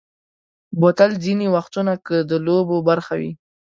بوتل ځینې وختو کې د لوبو برخه وي.